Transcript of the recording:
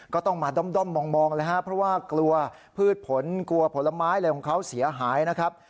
ก็ต้องมาด้อมมองเลยครับเพราะว่ากลัวพืชผลกลัวผลไม้อะไรของเขาเสียหายนะครับ